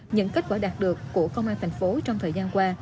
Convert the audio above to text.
những kết quả đạt được của công an thành phố trong thời gian qua